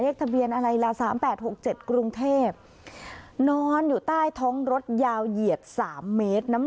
บรรถตัวซ้ายดีกว่านะครับอามงนได้แล้วเจ้าอ้ามนถูกเรา